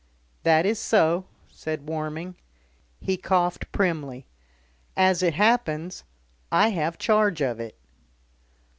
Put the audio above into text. "That is so," said Warming. He coughed primly. "As it happens I have charge of it."